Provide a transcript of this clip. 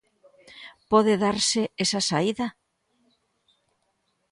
Pode darse esa saída?